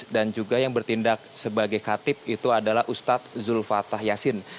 dan juga yang bertindak sebagai katib itu adalah ustadz zulfatah yasin